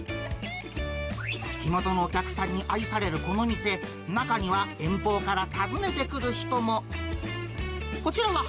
地元のお客さんに愛されるこの店、中には遠方から訪ねてくる人も。